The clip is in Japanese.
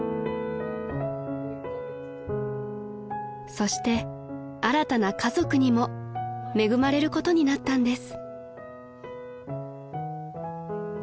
［そして新たな家族にも恵まれることになったんです］